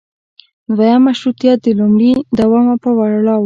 دویم مشروطیت د لومړي دوام او پړاو و.